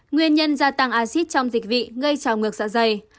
nguyên nhân gia tăng acid trong dịch vị gây trào ngược dạ dày